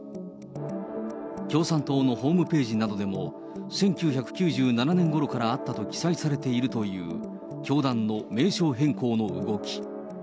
共産党のホームページなどでも、１９９７年ごろからあったと記載されているという、教団の名称変更の動き。